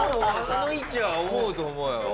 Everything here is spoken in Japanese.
あの位置は思うと思うよ。